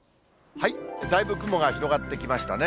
だいぶ雲が広がってきましたね。